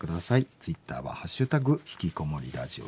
ツイッターは「＃ひきこもりラジオ」です。